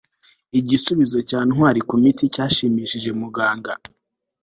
igisubizo cya ntwali kumiti cyashimishije muganga